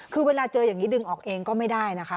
คือเวลาเจออย่างนี้ดึงออกเองก็ไม่ได้นะคะ